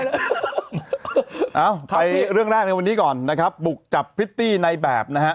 ก็ไปเรื่องราคาวันนี้ก่อนนะครับปุกจับพิฐรภ์ตีในแบบนะฮะ